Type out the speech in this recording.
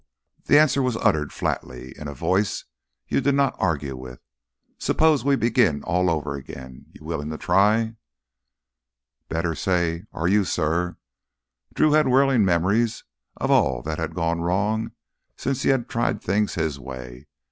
The answer was uttered flatly, in a voice you did not argue with. "Suppose we begin all over again. You willing to try?" "Better say—are you, suh?" Drew had whirling memories of all that had gone wrong since he had tried things his way.